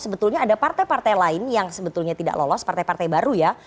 sebetulnya ada partai partai lain yang sebetulnya tidak lolos partai partai baru ya